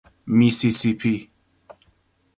میسیسیپی